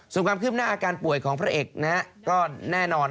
สมกรรมขึ้นหน้าอาการป่วยของพระเอกก็แน่นอน